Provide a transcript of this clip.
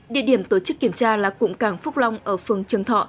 địa điểm tổ chức kiểm tra là cụm cảng phúc long ở phường trường thọ